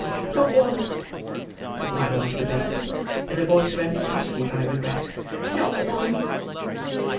"Not one," replied Master Bates, in a voice rendered husky by regret; "not one."